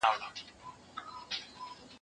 دا ږغ له هغه ښه دی!؟